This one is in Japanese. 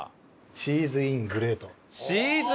チーズイングレート。